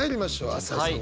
朝井さん